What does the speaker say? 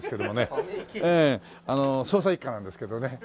ええ捜査一課なんですけどね。